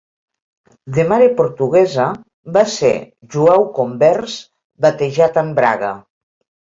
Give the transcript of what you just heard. De mare portuguesa, va ser jueu convers batejat en Braga.